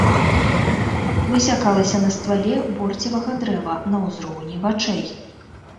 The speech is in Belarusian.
Высякалася на ствале борцевага дрэва на ўзроўні вачэй.